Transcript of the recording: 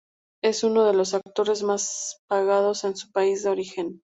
Es uno de los actores más pagados en su país de origen.